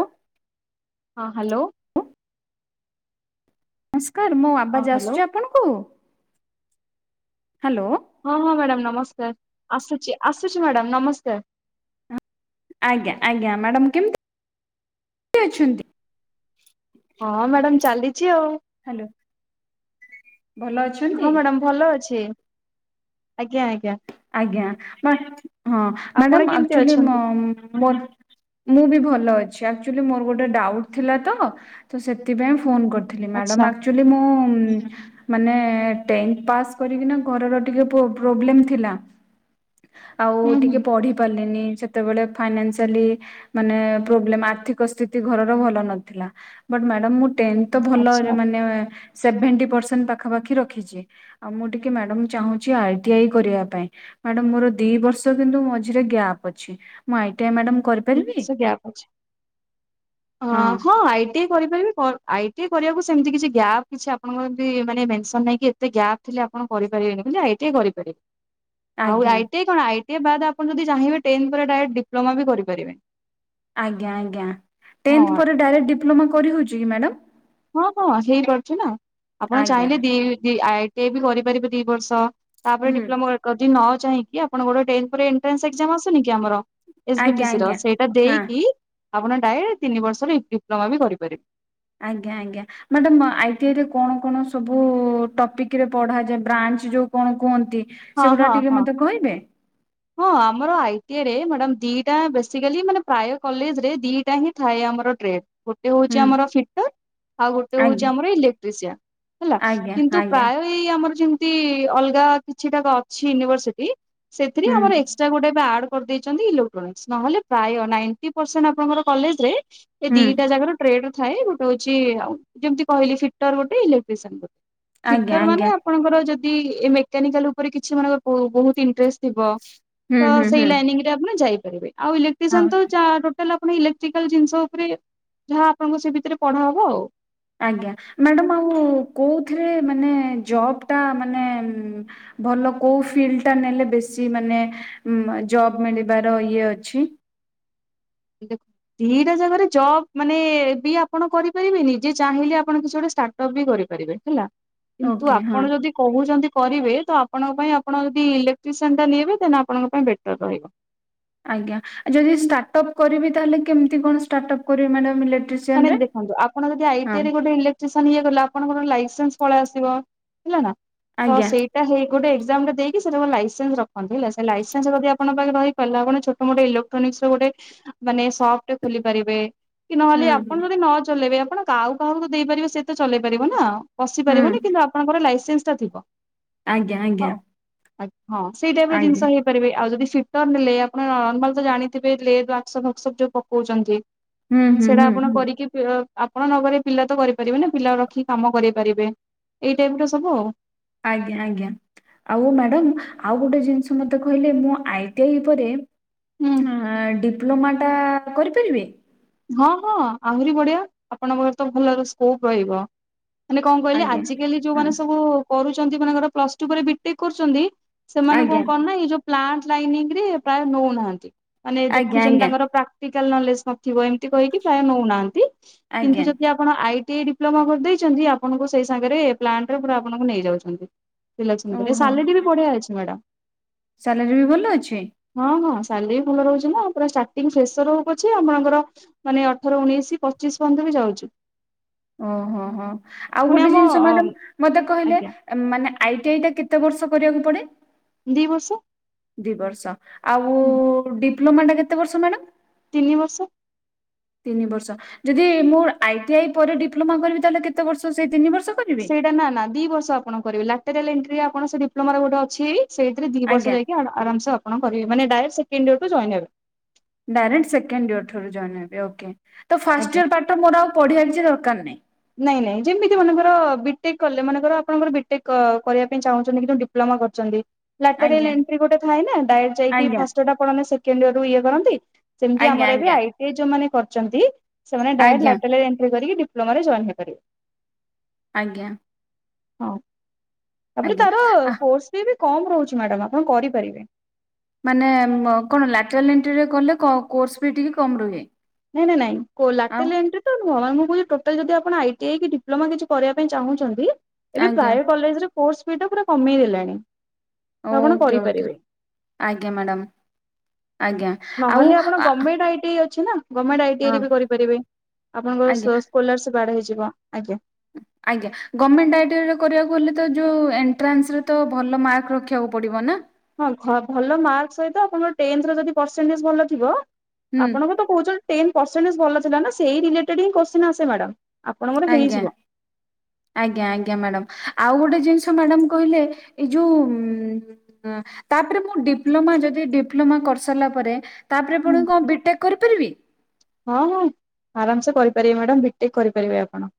ଆଁ। ହଁ ହ୍ୟାଲୋ। କାର୍ ମୋ ହଁ ଆବାଜ ହ୍ୟାଲୋ ଆସୁଛି ଆପଣଙ୍କୁ? ହ୍ୟାଲୋ। ହଁ ହଁ ମ୍ୟାଡ଼ାମ ନମସ୍କାର। ଆସୁଛି, ଆସୁଛି ମ୍ୟାଡ଼ାମ ନମସ୍କାର। ଆଜ୍ଞା ଆଜ୍ଞା ମ୍ୟାଡ଼ାମ କେମ୍ତି [inaudible] ଅଛନ୍ତି? ହଁ ମ୍ୟାଡ଼ାମ ଚାଲିଛି ଆଉ। ହ୍ୟାଲୋ। ଭଲ ଅଛନ୍ତି? ହଁ ମ୍ୟାଡ଼ାମ ଭଲ ଅଛି। ଆଜ୍ଞା ଆଜ୍ଞା। ଆଜ୍ଞା ମା ହଁ ଆପଣ ମ୍ୟାଡ଼ାମ କେମିତି ଆକ୍ଚୁଲି ମ ଅଛନ୍ତି? ମୋର ମୁଁ ବି ଭଲ ଅଛି। ଆକ୍ଚୁଲି ମୋର ଗୋଟେ ଡାଉଟ୍ ଥିଲା ତ ତ ସେଥିପାଇଁ ଫୋନ କରି ଥିଲି ଆଚ୍ଛା ମ୍ୟାଡ଼ାମ୍ ଆକ୍ଚୁଲି ମୁଁ ମାନେ ଟେନଥ୍ ପାସ୍ କରିକିନା ଘରର ଟିକେ ପୋ ପ୍ରୋବ୍ଲେମ୍ ଥିଲା। ଆଉ ହୁଁ ହୁଁ ଟିକେ ପଢି ପାରିଲିନି ସେ ସେତେବେଳେ ଫାଇନାନ୍ସିଆଲି ମାନେ ପ୍ରୋବ୍ଲେମ୍ ଆର୍ଥିକ ସ୍ଥିତି ଘରର ଭଲ ନଥିଲା। ବଟ୍ ମ୍ୟାଡାମ୍ ମୁଁ ଟେନଥ୍ ଭଲରେ ଆଚ୍ଛା ମାନେ ସେଭେଣ୍ଟି ପର୍ସେଣ୍ଟ ପାଖାପାଖି ରଖିଛି ଆଉ ମୁଁ ଟିକିଏ ମ୍ୟାଡ଼ମ୍ ଚାହୁଁଛି ଆଇ ଟି ଆଇ କରିବା ପାଇଁ। ମ୍ୟାଡ଼ମ୍ ମୋର ଦି ବର୍ଷ କିନ୍ତୁ ମଝିରେ ଗ୍ୟାପ୍ ଅଛି ମୁଁ ଆଇ ଟି ଆଇ ମ୍ୟାଡ଼ମ୍ କରି ହୁଁ ସେ ଗ୍ୟାପ୍ ଅଛି। ଆ ହଁ ଆଇ ଆଇ ଟି ଏ କରିପାରିବି କ ଆଇ ଟି ଇ କରିବାକୁ ସେମିତି କିଛି ଗ୍ୟାପ୍ କିଛି ଆପଣଙ୍କ ଏମ୍ତି ମାନେ ମେନ୍ସନ୍ ନାହିଁ କି ଏ ଏତେ ଗ୍ୟାପ୍ ଥିଲେ ଆପଣ କରିପାରିବେନି ବୋଲି ଆଇ ଟି ଆଇ କରିପାରିବେ। ଆଉ ଆଜ୍ଞା ଆଇ ଟି ଆଇ କଣ ଆଇ ଟି ଆଇ ବାଦ୍ ଆପଣ ଯଦି ଚାହିଁବେ ଟେନ୍ଥ ପରେ ଡାଇରେକ୍ଟ ଡିପ୍ଲମା ବି କରିପାରିବେ। ଆଜ୍ଞା ଆଜ୍ଞା ଟେନ୍ଥ୍ ହଁ ପରେ ଡାଇରେକ୍ଟ ଡିପ୍ଲୋମା କରିହଉଛି କି ମ୍ୟାଡ଼ାମ୍? ହଁ ହଁ ହେଇପାରୁଛି ନା। ଆପଣ ଆଜ୍ଞା ଚାହିଁଲେ ଦି ଦି ଆଇ ଟି ଆଇ ବି କରିପାରିବେ ଦି ବର୍ଷ। ତାପରେ ହୁଁ ଡିପ୍ଲୋମା ଯଦି ନ ଚାହିଁକି ଆପଣ ଗୋଟେ ଟେନ୍ଥ୍ ପରେ ଏଣ୍ଟ୍ରାନ୍ସ ଏକ୍ଜାମ୍ ଆସୁନି କି ଆମର? ଏସ୍ ବି ଆଜ୍ଞା ଟି ସି ର ଆଜ୍ଞା ସେଇଟା ହଁ ଦେଇକି ଆପଣ ଡାଇରେକ୍ଟ ତିନି ବର୍ଷ ବି ଡିପ୍ଲୋମା ବି କରିପାରିବେ। ଆଜ୍ଞା ଆଜ୍ଞା। ମ୍ୟାଡାମ୍ ଆଇ ଟି ଆଇ ରେ କଣ କଣ ସବୁ ଟପିକ୍ ରେ ପଢାଯାଏ ବ୍ରାଞ୍ଚ ଯୋଉ କଣ କୁହନ୍ତି? ହଁ ସେଗୁଡା ହଁ ଟିକେ ହଁ। ମତେ କହିବେ? ହଁ ଆମର ଆଇ ଟି ଆଇ ରେ ମ୍ୟାଡାମ୍ ଦିଟା ବେସିକାଲି ମାନେ ପ୍ରାୟ କଲେଜରେ ଦିଟା ହିଁ ଥାଏ ଆମର ଟ୍ରେଟେ ଗୋ ଗୋଟେ ହଉଚି ହୁଁ ଆମର ଫିଟର ଆଉ ଗୋଟେ ହଉଚି ଆଜ୍ଞା ଆମର ଇଲେକ୍ଟ୍ରିସିଆ ହେଲା ଆଜ୍ଞା କିନ୍ତୁ ଆଜ୍ଞା ପ୍ରାୟ ତି ଆମର ଯେମତି ଅଲଗା କିଛିଟା ଅଛି ୟୁନିଭରସିଟି ସେଥିରେ ହୁଁ ଆମର ଏକ ଚା ଗୋଟେ ଏବେ ଆଡ୍ କରିଦେଇଚନ୍ତି ଇଲୋକ୍ଟନିକିସ୍ସ ନହେଲେ ପ୍ରାୟ ନାଇଣ୍ଟ୍ ପରସେଣ୍ଟ ଆପଣଙ୍କର କଲେଜରେ ଏ ହୁଁ ଦିଟା ଜାଗାର ଟ୍ରେଡରେ ଥାଏ, ଗୋଟେ ହଉଚି ଆଉ ଯେମିତି କହିଲି ଫିଟର ଗୋଟେ, ଇଲେକ୍ଟ୍ରିସିଆନ ଗୋଟେ। ଆଜ୍ଞା ଫିଟର ଆଜ୍ଞା ମାନେ ଆପଣଙ୍କର ଯଦି ଏ ମେକାନିକାଲ ଉପରେ କିଛି ମାନେଙ୍କର ବହୁତ୍ ଇଣ୍ଟରେଷ୍ଟ ଥିବ ହୁଁ ତ ହୁଁ ସେଇ ହୁଁ ଲାଇନିଙ୍ଗ ଆପଣ ଯାଇପାରିବେ, ଆଉ ହଁ ଏଲେକ୍ଟ୍ରିସିଆନ ତ ଯାହା ତାହେଲେ ଆପଣ ଇଲେକ୍ଟ୍ରିକାଲ ଜିନିଷ ଉପରେ ଯାହା ଆପଣଙ୍କ ସେ ଭିତରେ ପଢା ହବ ଆଉ। ଆଜ୍ଞା ମ୍ୟାଡ଼ମ୍ ଆଉ କୋଉଥିରେ ମାନେ ଜବ୍ ଟା ମାନେ ଭଲ କୋଉ ଫିଲ୍ଡ ଟା ନେଲେ ବେଶୀ ମାନେ ଜବ୍ ମ୍ ମିଳିବାର ଇଏ ଅଛି? ଦେ ଦିଟା ଜାକରେ ଜବ୍ ମାନେ ବି ଆପଣ କରିପାରିବେ ନିଜେ ଚାହିଁଲେ ଆପଣ କିଛି ଗୋଟେ ଷ୍ଟା ଜବ୍ ବି କରିପାରିବେ ହେଲା, କିନ୍ତୁ ଓକେ ହଁ ଆପଣ ଯଦି କହୁଛନ୍ତି କରିବେ ତ ଆପଣଙ୍କ ପାଇଁ ଆପଣ ଯଦି ଇଲେକ୍ଟ୍ରିସିଆନ୍ ଟା ନିଇବେ, ତାହେଲେ ଆପଣଙ୍କ ପାଇଁ ବେଟର ରହିବ। ଆଜ୍ଞା ଯଦି ଷ୍ଟାର୍ଟ ଅପ୍ କରିବି, ତାହେଲେ କେମିତି କଣ ଷ୍ଟାର୍ଟ ଅପ୍ କରିବ ମ୍ୟାଡ଼ମ୍ ଇଲେକ୍ଟ୍ରି ମାନେ ଦେଖନ୍ତୁ ଆପଣ ଯଦି ଆଇ ଟି ଆଇ ରେ ଗୋଟେ ଇଲେକ୍ଟ୍ରି ଡିସିସନ୍ ଇଏ ଗଲା ଆପଣଙ୍କର ଲାଇସେନ୍ସ୍ ପଳେଇ ଆସିବ, ହେଲା ନା ତ ଆଜ୍ଞା ସେଇ ଏଇଟା ହେଇ ଗୋଟେ ଏକ୍ସାମ୍ ରେ ଦେଇକି ସେଇଟା କଣ ଲାଇସେନ୍ସ ରଖନ୍ତି ହେଲା ସେ ଲାଇସେନ୍ସ ଯଦି ଆପଣ ଆପଣ ପାଖରେ ରହିପାରିଲା, ଆପଣ ଛୋଟ ମୋଟ ଇଲେକ୍ଟ୍ରୋନିକସ ର ଗୋଟେ ମାନେ ସପ୍ ଟେ ଖୋଲି ପାରିବେ। କି ହୁଁ ନହେଲେ ହୁଁ ଆପଣ ଯଦି ନ ଚଲେଇବେ, ଆପଣ ଆଉ କାହାକୁ ଦେଇପାରେବେ ସେ ତ ଚଲେଇ ପାରିବ ନା। ପଶି ପାରିବନି ହୁଁ କିନ୍ତୁ ଆପଣଙ୍କର ଲାଇସେନ୍ସ ଟା ଥିବ। ଆଜ୍ଞା ଆଜ୍ଞା। ଆ ହଁ ସେଇ ଟାଇପ୍ ର ଆଜ୍ଞା ଜିନିଷ ହେଇ ପାରିବେ ଆଉ ଯଦି ସିଟର୍ ନେଲେ ଆପଣ ନର୍ମାଲ୍ ତ ଜାଣିଥିବେ, ଲେର୍ ର ଆକ୍ସ ବାକ୍ସ ଯୋଉ ପକଉଚନ୍ତି। ହୁଁ ହୁଁ ହୁଁ। କି ପି ଆପଣ ନକରି ପିଲା ତ କରିପାରିବେ ନା ପିଲା ରଖିକି କାମ କରେଇ ପାରିବେ। ଏଇ ଟାଇପ୍ ର ସବୁ ଆଉ। ଆଜ୍ଞା ଆଜ୍ଞା। ଆଉ ମ୍ୟାଡାମ୍, ଆଉ ଗୋଟେ ଜିନିଷ ମତେ କହିଲେ, ମୁଁ ଆଇ ଟି ଆଇ ପରେ ହୁଁ। ଆଁ ଡିପ୍ଲୋମା ଟା କରିପାରିବି? ହଁ ହଁ ଆହୁରି ବଢିଆ ଆପଣଙ୍କ ପାଖରେ ତ ଭଲ ସ୍କୋପ୍ ରହିବ। ମାନେ କଣ କହିଲେ, ଆଜ୍ଞା ଆଜିକାଲି ହଁ, ଯୋଉମାନେ ସବୁ କରୁଚନ୍ତି ମନେକର ପ୍ଲସ୍ ଟୁ ବିଟେକ୍ କରୁଚନ୍ତି। ସେମାନଙ୍କୁ ଆଜ୍ଞା କଣ ନା ଏଇ ଯୋଉ ପ୍ଲାଣ୍ଟ ଲାଇନିଂ ରେ ପ୍ରାୟ ନଉନାହାନ୍ତି। ମାନେ ଆଜ୍ଞା ଦେଖୁଚନ୍ତି ଆଜ୍ଞା ତାଙ୍କର ପ୍ରାକ୍ଟିକାଲ୍ ନଲେଜ କ ଥିବ ଏମିତି କହିକି ପ୍ରାୟ ନଉନାହାନ୍ତି, କିନ୍ତୁ ଆଜ୍ଞା ଯଦି ଆପଣ ଆପଣ ଆଇ ଟି ଆଇ ଡିପ୍ଲୋମା କରିଦେଇଚନ୍ତି, ଆପଣଙ୍କୁ ସେଇ ସାଙ୍ଗରେ ଏ ପ୍ଲାଣ୍ଟ ରେ ପୁରା ଆପଣଙ୍କୁ ନେଇଯାଉଛନ୍ତି। [unintelligible] ସାଲାରି ବି ବଢିଆ ଅଛି ମ୍ୟାଡାମ୍। ସାଲେରୀ ବି ଭଲ ଅଛି? ହଁ ହଁ ସାଲେରୀ ଭଲ ରହୁଚି ନା ପୁରା ଷ୍ଟାର୍ଟିଂ ପ୍ରେସର ରହୁ ପଛେ ଆପଣ ଙ୍କ ଅଠର ମାନେ ଅଠର, ଉଣେଇଶି, ପଚିଶି ପର୍ଯ୍ୟନ୍ତ ବି ଯାଉଚି। ଓହୋ ହୋ ହୋ ଆଉ ପୁଣି ଗୋଟେ ଆମ ଜିନିଷ ମ୍ୟାଡ଼ମ୍ ମୋତେ କହିଲେ? ଆଜ୍ଞା ଏ ମାନେ ଆଇଟିଆଇ ଟା କେତେ ବର୍ଷ କରିବାକୁ ପଡେ? ଦି ବର୍ଷ। ଦି ବର୍ଷ, ଆଉ ଡିପ୍ଲୋମା ଟା କେତେ ବର୍ଷ ମ୍ୟାଡ଼ମ୍? ତିନି ବର୍ଷ। ତିନି ବର୍ଷ, ଯଦି ମୁଁ ଆଇଟିଆଇ ପରେ ଡିପ୍ଲୋମା କରିବି, ତାହେଲେ କେତେ ବର୍ଷ ସେଇ ତିନି ବର୍ଷ କର ସେଇଟା ନା ନା ଦି ବର୍ଷ ଆପଣ କରିବେ, ଲାଟେରାଲଏଣ୍ଟ୍ରି ଆପଣ ସେ ଡିପ୍ଲୋମାର ଗୋଟେ ଅଛି ସେଇ ସେଠି ଦି ବର୍ଷ ଆଜ୍ଞା ଯାଇକି ଆଡା ଆରାମ ସେ ଆପଣ କରିବେ, ମାନେ ଡାଇରେକ୍ଟ ସେକଣ୍ଡ ଇୟର୍ କୁ ଜଏନ୍ ହେବେ। ଡାଇରେକ୍ଟ ସେକେଣ୍ଡ ଇୟର୍ ଠାରୁ ଜଏନ୍ ହେବେ, ଓକେ, ତ ଫାଷ୍ଟ ଆଜ୍ଞା ଇୟର୍ ପାଠ ମୋର ଆଉ ପଢ଼ିବାର କିଛି ଦରକାର ନାହିଁ? ନାଇଁ ନାଇଁ ଯେମିତି ମନେକର ବିଟେକ୍ କଲେ, ମନେକର ଆପଣଙ୍କର ବିଟେକ୍ କ-କରିବା ପାଇଁ ଚାହୁଁଛନ୍ତି କିନ୍ତୁ ଡିପ ପ୍ଲୋମା କରିଛନ୍ତି। ଲାଟେରିଲ୍ ଆଜ୍ଞା ଏଣ୍ଟ୍ରି ଗୋଟେ ଥାଏ ନା ଡାଇରେକ୍ଟ ଯାଇକି ଆଜ୍ଞା ଫାଷ୍ଟ ଇୟର୍ ଟା ଆପଣ ମାନେ ସେକେଣ୍ଡ ଇୟର୍ ରୁ ଇଏ କରନ୍ତି। ସେମତି ଆଜ୍ଞା ଆମର ଏବେ ଆଜ୍ଞା। ଆଇଟିଆଇ ଯୋଉମାନେ କରଚନ୍ତି, ସେମାନେ ଡାଇରେକ୍ଟ ଆଜ୍ଞା ଲାଟାଲାର ଏଣ୍ଟ୍ରି କରିକି ଡିପ୍ ପରେ ଜଏନ୍ ହେଇପାରିବେ। ଆଜ୍ଞା। ହଁ ତାପରେ ଆଜ୍ଞା। ତାର ଆ କୋର୍ସ ସିଏ ବି କମ ରହୁଛି ମ୍ୟାଡ଼ାମ୍ ଆପଣ କରିପାରିବେ। ମାନେ ଉଁ, ଅ, କଣ ଲାଟରାଲ୍ ଏଣ୍ଟ୍ରି ରେ କଲେ କ-କୋର୍ସ ବି ଟିକେ କମ୍ ରୁହେ? ନା ନା ନାଇଁ କୋ- ଆଉ ଲାଟରାଲ୍ ଏଣ୍ଟ୍ରି ତ ମୋ ମାନେ ମୁଁ କହୁଛି ଟୋଟାଲ ଯଦି ଆପଣ ଆଇଟିଆଇ କି ଡିପ୍ଲୋମା କିଛି କରିବା ପାଇଁ ଚାହୁଁଛନ୍ତି। ଏବେ ଆଜ୍ଞା ପ୍ରାୟ କଲେଜ୍ ରେ କୋର୍ସ ବି ତ ପୁରା କମେଇ ଦେଲାଣି। ତ ଆପଣ ଓକେ ଓକେ କରିପାରିବେ। ଆଜ୍ଞା ମ୍ୟାଡ଼ାମ୍। ନହେଲେ ଆପଣ ଗର୍ମେଣ୍ଟ ଆଇଟିଆଇ ଅଛି ନା। ଗମେଣ୍ଟ ଆଇଟିଆଇ ହଁ ରେ ବି କରିପାରିବେ। ଆପଣଙ୍କର ଆଜ୍ଞା ସ- ସ୍କୋଲାରସିପ୍ ଆଡ୍ ହେଇଯିବ ଆଜ୍ଞା। ଆଜ୍ଞା। ଗମେଣ୍ଟ ଆଇଟିଆଇ ର କରିବାକୁ ହେଲେ ତ ଯୋଉ ଏଣ୍ଟ୍ରାନ୍ସ ରେ ତ ଭଲ ମାର୍କ ରଖିବାକୁ ପଡିବ ନା? ହଁ ଖ-ଭଲ ମାର୍କ ସହିତ ଆପଣଙ୍କ ର ଟେନ୍ଥର ଯଦି ପରସେଣ୍ଟେଜ୍ ଭଲ ଥିବ ହୁଁ ଆପଣଙ୍କୁ ତ କହୁଚନ୍ ଟେନ୍ଥ ପର୍ସେଣ୍ଟେଜ୍ ଭଲ ଥିଲା ନା ସେଇ ରିଲେଟେଡ୍ ହିଁ କୋଶ୍ଚେନ ଆସେ ମ୍ୟାଡାମ୍। ଆଜ୍ଞା। ଆଜ୍ଞା ଆଜ୍ଞା ମ୍ୟାଡାମ୍ ଆଉ ଗୋଟେ ଜିନିଷ ମ୍ୟାଡାମ୍ କହିଲେ ଏଇ ଯୋଉ ଉଁ, ଅଁ, ତାପରେ ମୁଁ ଡିପ୍ଲୋମା ଯଦି ଡିପ୍ଲୋମା କରିସାରିଲା ପରେ ତାପରେ ହୁଁ ପୁଣି କଣ ବିଟେକ୍ କରିପାରିବି? ହଁ ହଁ ଆରାମ ସେ କରିପାରିବେ ମ୍ୟାଡ଼ାମ୍ ବିଟେକ୍ କରିପାରିବେ ଆପଣ।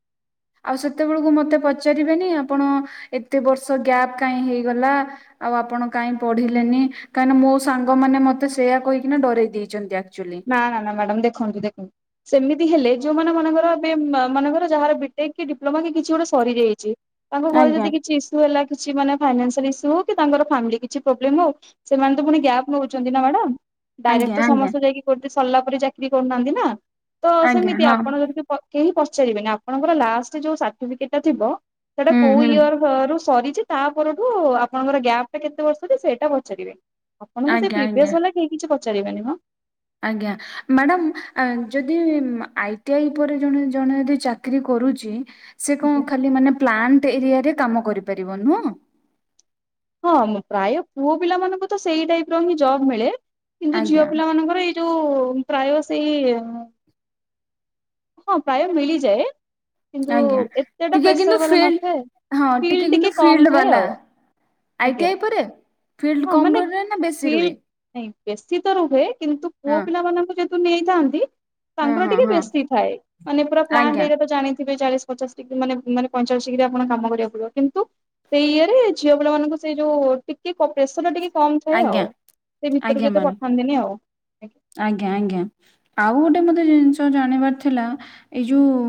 ଆଉ ସେତେବେଳକୁ ମୋତେ ପଚାରିବେନି ଆପଣ ଏତେ ବର୍ଷ ଗ୍ୟାପ୍ କାହିଁ ହେଇଗଲା? ଆଉ ଆପଣ କାଇଁ ପଢିଲେନି? କାହିଁକିନା ମୋ ସାଙ୍ଗମାନେ ମୋତେ ସେଇଆ କହିକିନା ଡରେଇ ଦେଇଚନ୍ତି ଆକ୍ଚୁଲି। ନା ନା ନା ମ୍ୟାଡ଼ାମ୍ ଦେଖନ୍ତୁ ଦେଖନ୍ତୁ ସେମିତି ହେଲେ ଯୋଉମାନେ ମନେକର ଏବେ ମ-ମନେକର ଯାହାର ବିଟେକ୍ କି ଡିପ୍ଲୋମା କି କିଛି ଗୋଟେ ସରିଯାଇଛି। ତାଙ୍କ ଘରେ ଆଜ୍ଞା ଯଦି କିଛି ଇସ୍ୟୁ ହେଲା କିଛି ମାନେ ଫାଇନାନ୍ସିଆଲ ଇସ୍ୟୁ ହଉ କି ତାଙ୍କର ଫ୍ୟାମିଲି କିଛି ପ୍ରୋବ୍ଲେମ୍ ହଉ। ସେମାନେ ତ ପୁଣି ଗ୍ୟାପ୍ ନଉଛନ୍ତି ନା ମ୍ୟାଡାମ୍। ଡାଇରେକ୍ଟ ଆଜ୍ଞା ତ ଆଜ୍ଞା ସମସ୍ତେ ଯାଇକିି କୋଉଟି ସରିଲା ପରେ ଚାକିରି କରୁନାହାନ୍ତି ନା? ତ ଆଜ୍ଞା ସେମିତି ହଁ ଆପଣ ଯଦି କିଏ ପ କେହି ପଚାରିବେନି। ଆପଣଙ୍କର ଲାଷ୍ଟ ଯୋଉ ସାର୍ଟିଫିକେଟ୍ ଟା ଥିବ ସେଟା ହୁଁ କୋଉ ହୁଁ ଇୟର୍ ସରୁ ସରିଛି ତା ପରଠୁ ଆପଣଙ୍କର ଗ୍ୟାପ୍ ଟା କେତେ ବର୍ଷ ଯେ ସେଇଟା ପଚାରିବେ। ଆପଣଙ୍କୁ ସେ ଆଜ୍ଞା ଆଜ୍ଞା ପ୍ରିଭିୟସ୍ ବାଲା କେହି କିଛି ପଚାରିବେନି ମୋ। ଆଜ୍ଞା ମ୍ୟାଡ଼ାମ୍ ଆ, ଯଦି ଉଁ, ଆଇଟିଆଇ ପରେ ଜଣେ ଜଣେ ଯଦି ଚା କିରି କରୁଚି ସେ ଆଜ୍ଞା କଣ ଖାଲି ମାନେ ପ୍ଲାଣ୍ଟ ଏରିଆରେ କାମ କରିପାରିବ ନୁହଁ? ହଁ ପ୍ରାୟ ପୁଅ ପିଲାମାନଙ୍କୁ ତ ସେଇ ଟାଇପ ର ହିଁ ଜବ୍ ମିଳେ କିନ୍ତୁ ଝିଅ ଆଜ୍ଞା ପିଲା ମାନଙ୍କର ଏଇ ଯୋଉ ପ୍ରାୟ ସେଇ ହଁ, ପ୍ରାୟ ମିଳିଯାଏ। କିନ୍ତୁ ଆଜ୍ଞା ଏତେଟା ଟିକେ ପ୍ରେସର କିନ୍ତୁ ବାଲା ଫିଲ୍ଡ ନଥାଏ। ହଁ ଫିଲ୍ ଟିକେ କିନ୍ତୁ କମ୍ ଫିଲ୍ଡ ଥାଏ ବାଲା। ଆଉ ଆଇ ଟି ଆଜ୍ଞା ଆଇ ପରେ। ଫିଲ୍ଡ ହଁ, କମ ମାନେ ରୁହେ ନା ବେଶୀ ଫିଲ୍ଡ ରୁହେ ନାହିଁ ବେଶୀ ତ ରୁହେ କିନ୍ତୁ ପୁଅ ହଁ ପିଲା ମାନଙ୍କୁ ଯଦି ନେଇଥାନ୍ତି ହଁ ତାଙ୍କର ହଁ ଟିକେ ହଁ ବେଶି ଥାଏ ମାନେ ପୁରା ପ୍ଲାଣ୍ଟ ଆଜ୍ଞା ଏରିଆ ପୁରା ଜାଣିଥିବେ ଚାଳିଶ ପଚାଶ ଡିଗ୍ରୀ ମାନେ ମାନେ ପଇଚାଳିଶ ଡିଗ୍ରୀ ଆପଣ କାମ କରିବାକୁ ପଡିବ କିନ୍ତୁ ସେଇ ଇଏ ରେ ଝିଅ ପିଲା ମାନଙ୍କୁ ସେଇ ଯୋଉ ଟିକେ ହଁ ପ୍ରେସର ଟା ଟିକେ କମ୍ ଥାଏ ଆଜ୍ଞା ଆଉ ସେ ଆଜ୍ଞା ଭିତରକୁ ଏତେ ମ୍ୟାଡ଼ାମ ପଠାନ୍ତିନି ଆଉ। ଆଜ୍ଞା ଆଜ୍ଞା ଆଉ ଗୋଟେ ମତେ ଜିନିଷ ଜାଣିବାର ଥିଲା ଏଇ ଯୋଉ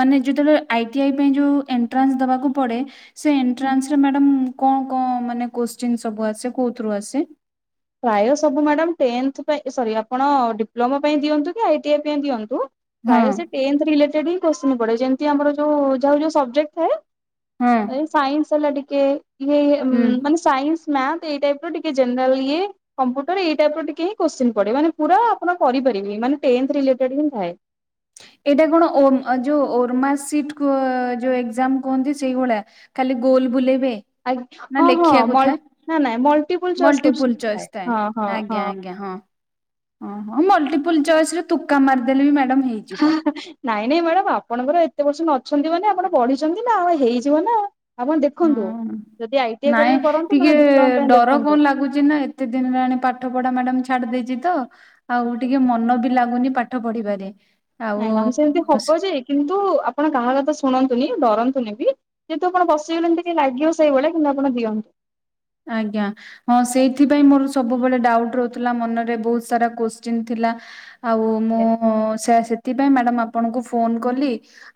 ମାନେ ଯେତେବେଳେ ଆଇ ଟି ଆଇ ପାଇଁ ଯୋଉ ଏଣ୍ଟ୍ରାନ୍ସ ଦବାକୁ ପଡେ ସେ ଏଣ୍ଟ୍ରାନ୍ସ ରେ ମ୍ୟାଡମ୍ କଣ କଣ ମାନେ କୋଶ୍ଚିନ ସବୁ ଆସେ କୋଉଥିରୁ ଆସେ? ପ୍ରାୟ ସବୁ ମାଡ଼ାମ୍ ଟେନ୍ଥ ପାଇ ସରୀ ଆପଣ ଡିପ୍ଲୋମା ପାଇଁ ଦିଅନ୍ତୁ କି ଆଇଟିଆଇ ପାଇଁ ଦିଅନ୍ତୁ ହଁ ପ୍ରାୟ ସେ ଟେନ୍ଥ ରିଲେଟେଡ୍ ହିଁ କେଶ୍ଚିନ୍ ପଡ଼େ ଯେମିତି ଆମର ଯୋଉ ଯୋଉ ସବଜେକ୍ଟ ହଁ ଥାଏ ଏଇ ସାଇନ୍ସ ହେଲା ଟିକେ ଇହେ ଇହେ ହୁଁ। ମାନେ ସାଇନ୍ସ ମ୍ୟାଥ ଏଇ ଟାଇପ୍ ର ଟିକେ ଜେନେରାଲ ଇଏ କମ୍ପୁଟର ଏଇ ଟାଇପ୍ ର ଟିକେ ହିଁ କୋଶ୍ଚିନ୍ ପଡେ ମାନେ ପୁରା ଆପଣ କରିପାରିବେ ମାନେ ଟେନ୍ଥ ରିଲେଟେଡ୍ ହିଁ ଥାଏ। ଏଇଟା କଣ ଓମ୍ ଯୋଉ ଓର୍ମା ସିଟ ଯୋଉ ଏକ୍ଜାମ କୁହନ୍ତି ସେଇଭଳିଆ। ଖାଲି ଗୋଲ୍ ବୁଲେଇବେ। ଆଜ୍ଞା ନା ହଁ ହଁ ଲେଖିବାକୁ ମଲ୍ ଥାଏ ନା ନାଇଁ multiple choice question multiple choice ଥାଏ ହଁ ହଁ ହଁ। ଆଜ୍ଞା ଆଜ୍ଞା ହଁ। ଓ ହୋ ମଲ୍ଟିପୁଲ ଚଏସ ରେ ତୁକା ମାରିଦେଲେ ବି ମ୍ୟାଡ଼ାମ [unintelligible] ନାଇଁ ନାଇଁ ମ୍ୟାଡାମ ଆପଣଙ୍କର ଏତେ ପରସେଣ୍ଟ ଅଛନ୍ତି ମାନେ ଆପଣ ବଢିଛନ୍ତି ନା ଆଉ ହେଇଯିବ ନା ଆପଣ ଦେଖନ୍ତୁ ହଁ। ଯଦି ଆଇଟି ଆଇ ନାଇଁ କରିବେ କରନ୍ତୁ ଟିକେ ନହେଲେ ଡିପ୍ଲୋମା ପାଇଁ ଡର କଣ ଦେଖନ୍ତୁ। ଲାଗୁଛି ନା ଏ କେତେ ଦିନ ହେଲାଣି ପାଠ ପଢା ମ୍ୟାଡାମ୍ ଛାଡି ଦେଇେଇଛି ତ ଆଉ ଟିକେ ମନ ବି ଲାଗୁନି ପାଠ ପାଠ ପଢିପାରେ। ନାଇଁ ମାମ ସେମିତି ହବ ଯେ କିନ୍ତୁ ଆପଣ କାହା କଥା ଶୁଣନ୍ତୁନି ଡରନ୍ତୁନି ବି ଯେହେତୁ ଆପଣ ବସିି ଗଲେଣି ଟିକେ ଲାଗିବ ସେଇଭଳିଆ କିନ୍ତୁ ଆପଣ ଦିଅନ୍ତୁ। ଆଜ୍ଞା। ହଁ ସେଇଥିପାଇଁ ମୋର ସବୁବେଳେ ଡାଉଟ୍ ରହୁଥିଲା ମନରେ ବହୁତ୍ ସାରା କୋଶ୍ଚିନ୍ ଥିଲା। ଆଉ ମୁଁ ସେ ସେୟା ସେଥିପାଇଁ ମ୍ୟାଡ଼ମ୍ ଆପଣଙ୍କୁ ଫୋନ୍ କଲି।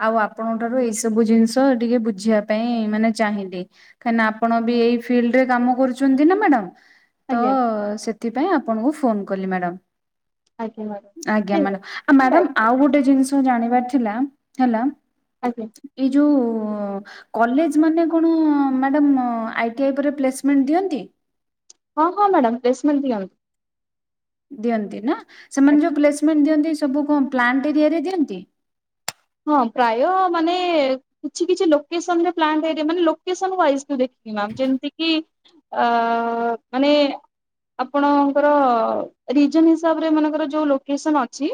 ଆଉ ଆପଣଙ୍କ ଠାରୁ ଏଇ ସବୁ ଜିନିଷ ଟିକେ ବୁଝିବା ପାଇଁ ମାନେ ଚାହିଁଲି। କାହିଁକି ନା ଆପଣ ବି ଏଇ ଫିଲ୍ଡରେ କାମ କରୁଛନ୍ତି ନା ମ୍ୟାଡାମ୍ ତ ଆଜ୍ଞା ସେ ସେଥିପାଇଁ ଆପଣଙ୍କୁ ଫୋନ କଲି ମ୍ୟାଡ଼ାମ୍। ଆଜ୍ଞା ମ୍ୟାଡ଼ାମ୍। ଆଜ୍ଞା ନାଇଁ ମ୍ୟାଡ଼ାମ୍ ଆଉ ନାଇଁ ମ୍ୟାଡାମ ଆଉ ଗୋଟେ ଜିନିଷ ଜାଣିବାର ଥିଲା ହେଲା ଆଜ୍ଞା। ଏଇ ଯୋଉ କଲେଜ ମାନେ କଣ ମ୍ୟାଡ଼ାମ୍ ଆଇଟିଆଇ ପରେ ପ୍ଲେସମେଣ୍ଟ ଦିଅନ୍ତି। ହଁ, ହଁ ମ୍ୟାଡ଼ାମ୍ ପ୍ଲେସମେଣ୍ଟ ଦିଅନ୍ତି। ଦିଅନ୍ତି ନା ସେମାନେ ଯଉ ପ୍ଲେସମେଣ୍ଟ ଦିଅନ୍ତି ସବୁ କଣ ପ୍ଲାଣ୍ଟ ଏରିଆରେ ଦିଅନ୍ତି? ହଁ ପ୍ରାୟ ମାନେ କିଛି କିଛି ଲୋକେସନ ରେ plant area location wise ଦେଖିକି ମ୍ୟାମ୍ ଜେମ୍ ତି କି ଅ ମାନେ ଆପଣଙ୍କର ରିଜନ ହିସାବରେ ମାନଙ୍କର ଯୋଉ ଲୋକେସନ ଅଛି।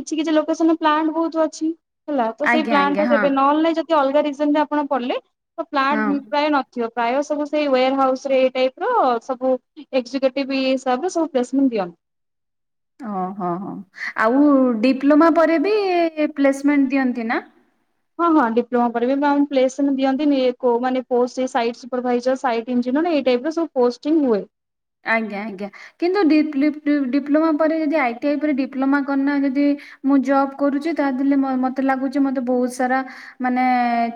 କିଛି କିଛି ଲୋକେସନ ପ୍ଲାଣ୍ଟ ବହୁତ ଅଛି। ହେଲା ତ ସେଇ ଆଜ୍ଞା ଆଜ୍ଞା ପ୍ଲାଣ୍ଟରେ ହଁ ଦେବେ ନହେଲେ ନାଇଁ ଯଦି ଅଲଗା ରିଜନରେ ଆପଣ ପଡିଲେ ତ ହଁ ପ୍ଲାଣ୍ଟ ପ୍ରାୟ ନ ପ୍ରାୟ ସବୁ ସେଇ ୱୋର ହାଉସରେ ଏଇ ଟାଇପର ସବୁ ଏକ୍ଯୁକେଟିଭ ଇଏ ହିସାବରେ ସବୁ ପ୍ଲେସମେଣ୍ଟ ଦିଅ। ଓ ହଁ ହଁ ଆଉ ଡିପ୍ଲୋମା ପରେ ବି ପ୍ଲେସମେଣ୍ଟ ଦିଅନ୍ତି ନା? ହଁ ହଁ ଡିପ୍ଲୋମା କରିବେ ପ୍ଲେସମେଣ୍ଟ ଦିଅନ୍ତି କୋଉମାନେ ପୋଷ୍ଟରେ ସାଇଡ୍ ସୁପରଭାଇଜର। ଇଞ୍ଜିନିୟର ଏଇ ଟାଇପର ସବୁ ପୋଷ୍ଟିଙ୍ଗ ହୁଏ। ଆଜ୍ଞା ଆଜ୍ଞା କିନ୍ତୁ ଡି- ଡି - ଡି - ଡିପ୍ଲୋମା ପରେ ଯଦି ଆଇଟି ଆଇ ପରେ ଡିପ୍ଲୋମା କରନା ଯଦି ମୁଁ ଜବ କରୁଛି ତା ଦେଲେ ମତେ ଲାଗୁଛି ମତେ ବହୁତ ସାରା ମାନେ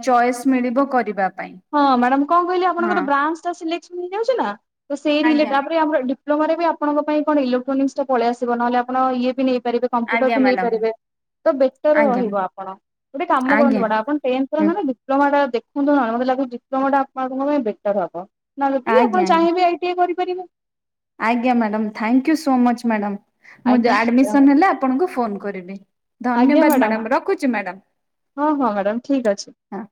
ଚଏସ୍ ମିଳିବ କରିବା ପାଇଁ। ହଁ ମ୍ୟାଡାମ କଣ କହିଲେ ହଁ ଆପଣଙ୍କର ବ୍ରାଞ୍ଚଟା ସିଲେକ୍ସନ ହେଇଯାଉଛି ନା ତ ସେଇ ଆଜ୍ଞା ତାପରେ ଆମର ପ୍ଲୋମାରେ ବି ଆପଣଙ୍କ ପାଇଁ କଣ ଇଲେକ୍ଟ୍ରୋନିକ୍ସଟା ପଳେଇ ଆସିବ। ନହେଲେ ଆପଣ ଇଏ ବି ନେଇପାରିବେ କମ୍ପ୍ୟୁଟର ଆଜ୍ଞା ବି ମ୍ୟାଡ଼ାମ ନେଇପାରିବେ। ତ ବେଟର ଆଜ୍ଞା ରହିବ ଆପଣ। ଗୋଟେ କାମ କରନ୍ତୁ ଆଜ୍ଞା ମ୍ୟାଡ଼ାମ ଆପଣ ତେନ୍ଥର ହୁଁ ନେବେ ଡି ଡିପ୍ଲୋମାଟା ଦେଖନ୍ତୁ ନହେଲେ, ମତେ ଲାଗୁଛି ଡିପ୍ଲୋମାଟା ଆପଣଙ୍କ ପାଇଁ ବେଟର ହବ। ନହେଲେ କି ଆଜ୍ଞା ଆପଣ ଆଜ୍ଞା ଚାହିଁବେ ଆଇ ଟି ଆଇ କରିପାରିବେ। ଆଜ୍ଞା madam thank you so much madam. ମୁଁ ଆଜ୍ଞା ଆଡ଼ମିସନ୍ ହେଲେ ଆପଣଙ୍କୁ ଫୋନ୍ କରିବି। ଆଜ୍ଞା ଧନ୍ୟବାଦ ମ୍ୟାଡାମ ମ୍ୟାଡ଼ାମ, ରଖୁଛି ମ୍ୟାଡ଼ାମ। ହଁ, ହଁ, ମ୍ୟାଡ଼ାମ ଠିକ୍ ଅଛି। ହଁ।